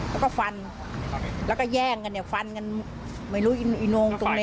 แล้วก็ฟันแล้วก็แย่งกันฟันกันไม่รู้อีกโน่งตรงนี้